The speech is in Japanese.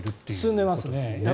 進んでますね。